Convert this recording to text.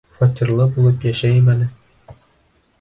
Фатирлы булып йәшәйем әле.